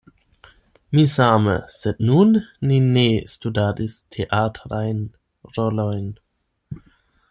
Mi same, sed nun ni ne studadis teatrajn rolojn.